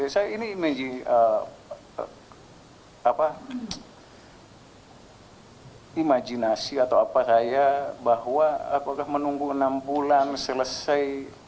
saya ini imajinasi atau apa saya bahwa apakah menunggu enam bulan selesai